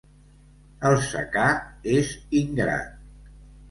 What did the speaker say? El secà és ingrat.